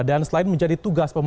dan selain menjadi tugas